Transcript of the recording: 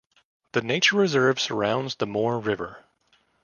The nature reserve surrounds the Moore River.